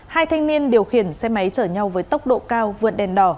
hai thanh niên điều khiển xe máy chở nhau với tốc độ cao vượt đèn đỏ